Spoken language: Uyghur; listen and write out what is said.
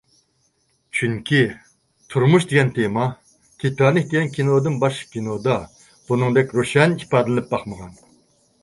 چۈنكى تۇرمۇش دېگەن تېما، تىتانىك دېگەن كىنودىن باشقا كىنودا بۇنىڭدەك روشەن ئىپادىلىنىپ باقمىغان.